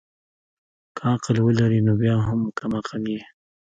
که عقل ولري نو بيا هم کم عقل يي